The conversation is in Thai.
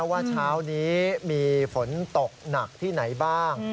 ว่าเช้านี้มีฝนตกหนักที่ไหนบ้าง